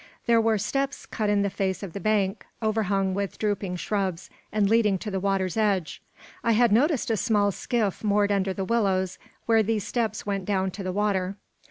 There were steps cut in the face of the bank, overhung with drooping shrubs, and leading to the water's edge. I had noticed a small skiff moored under the willows, where these steps went down to the water.